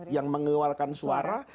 yang mengeluarkan suara